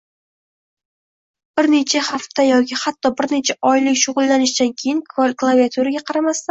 Bir necha hafta yoki hatto bir necha oylik shug’ullanishdan keyin klaviaturaga qaramasdan